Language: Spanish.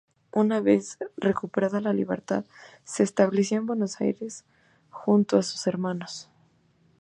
Una vez recuperada la libertad, se estableció en Buenos Aires junto a sus hermanos.